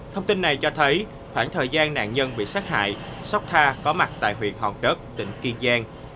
thông tin này cho thấy khoảng thời gian nạn nhân bị sát hại sóc tha có mặt tại huyện hòn đất tỉnh kiên giang